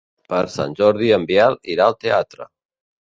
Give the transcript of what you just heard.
Per Sant Jordi en Biel irà al teatre.